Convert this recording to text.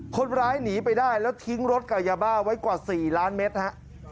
คนร้ายหนีไปได้แล้วทิ้งรถกับยาบ้าไว้กว่า๔ล้านเมตรฮะ